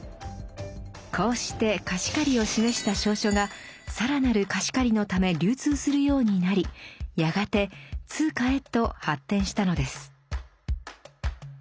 こうして貸し借りを示した証書が更なる貸し借りのため流通するようになりやがて通貨へと発展したのです。